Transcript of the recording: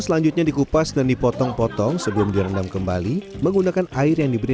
selanjutnya dikupas dan dipotong potong sebelum direndam kembali menggunakan air yang diberi